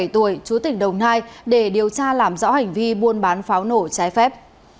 hai mươi tuổi chú tỉnh đồng nai để điều tra làm rõ hành vi buôn bán pháo nổ trái phép